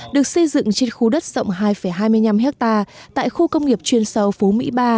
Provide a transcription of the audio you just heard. được xây dựng trên khu đất rộng hai hai mươi năm hectare tại khu công nghiệp chuyên sâu phú mỹ ba